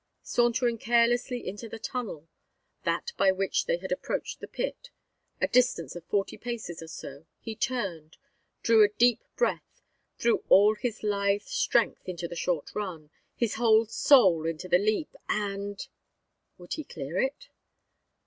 Sauntering carelessly into the tunnel that by which they had approached the pit a distance of forty paces or so, he turned, drew a deep breath, threw all his lithe strength into the short run, his whole soul into the leap, and Would he clear it?